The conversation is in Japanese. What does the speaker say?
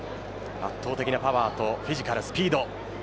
圧倒的なパワーとフィジカルとスピード。